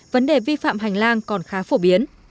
vấn đề vi phạm hành lang còn khá phổ biến